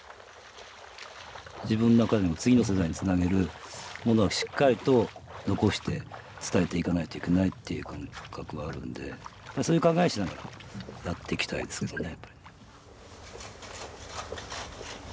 自分の中での次の世代につなげるものをしっかりと残して伝えていかないといけないっていう感覚はあるんでそういう考えをしながらやっていきたいですけどね。